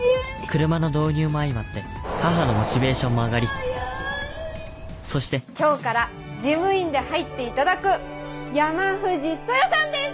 車の導入も相まって母のモチベーションも上がりそして今日から事務員で入っていただく山藤そよさんです！